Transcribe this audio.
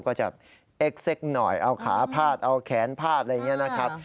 ก็จะเอ็กเซ็กหน่อยเอาขาพาดเอาแขนพาดอะไรอย่างนี้นะครับ